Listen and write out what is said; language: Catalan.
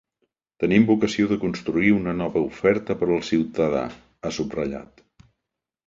Tenim vocació de construir una nova oferta per al ciutadà, ha subratllat.